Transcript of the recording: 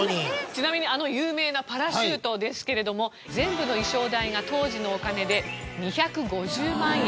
ちなみにあの有名なパラシュートですけれども全部の衣装代が当時のお金で２５０万円。